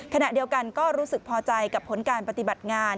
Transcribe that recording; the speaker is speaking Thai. ขณะเดียวกันก็รู้สึกพอใจกับผลการปฏิบัติงาน